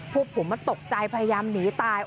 พวกผมตกใจพยายามหนีตาย